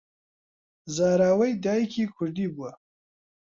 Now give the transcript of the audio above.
زاراوەی دایکی کوردی بووە